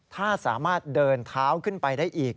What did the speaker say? ถ้าสามารถเดินเท้าขึ้นไปได้อีก